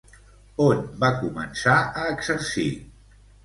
On va començar a exercir?